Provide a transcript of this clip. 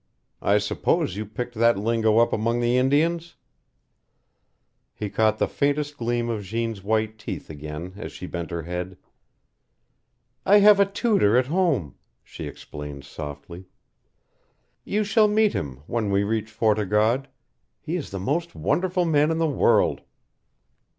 I suppose you picked that lingo up among the Indians." He caught the faintest gleam of Jeanne's white teeth again as she bent her head. "I have a tutor at home," she explained, softly. "You shall meet him when we reach Fort o' God. He is the most wonderful man in the world."